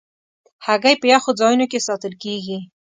هګۍ په یخو ځایونو کې ساتل کېږي.